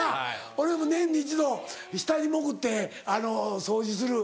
俺も年に一度下に潜って掃除する。